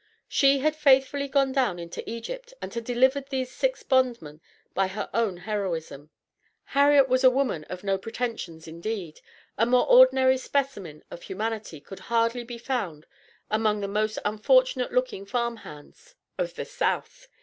She had faithfully gone down into Egypt, and had delivered these six bondmen by her own heroism. Harriet was a woman of no pretensions, indeed, a more ordinary specimen of humanity could hardly be found among the most unfortunate looking farm hands of the South.